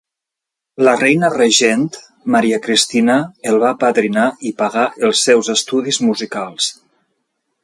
La reina regent, Maria Cristina, el va apadrinar i pagar els seus estudis musicals.